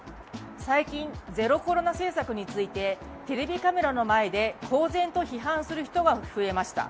最近、ゼロコロナ政策についてテレビカメラの前で公然と批判する人が増えました。